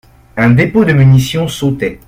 Un dépôt de munitions sautait.